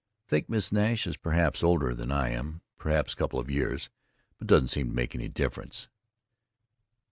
Think Miss Nash is perhaps older than I am, perhaps couple of years, but doesn't make any difference.